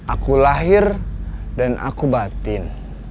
aku lahir dan aku batin